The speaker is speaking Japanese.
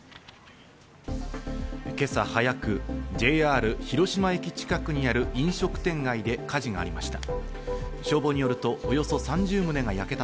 今朝早く、ＪＲ広島駅近くにある飲食店街で火事がありました。